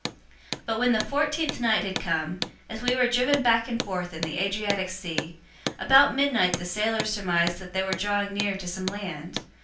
027:027 But when the fourteenth night had come, as we were driven back and forth in the Adriatic Sea, about midnight the sailors surmised that they were drawing near to some land.